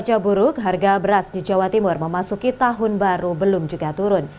sejak buruk harga beras di jawa timur memasuki tahun baru belum juga turun